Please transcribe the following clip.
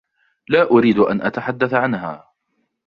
لا أُريد أن أتحدث عنها.